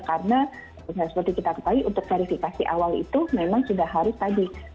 karena seperti kita ketahui untuk verifikasi awal itu memang sudah harus tadi